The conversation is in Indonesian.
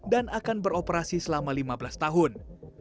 dan akan beroperasi selama lima belas tahun